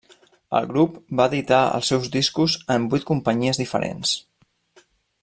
El grup va editar els seus discos en vuit companyies diferents.